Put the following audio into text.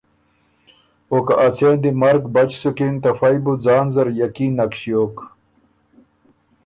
او که اڅېن دی مرګ بچ سُکِن ته فئ بُو ځان زر یقین نک ݭیوک